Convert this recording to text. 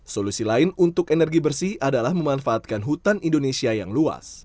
solusi lain untuk energi bersih adalah memanfaatkan hutan indonesia yang luas